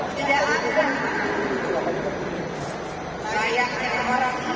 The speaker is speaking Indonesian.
oleh mereka yang hanya membesar belakang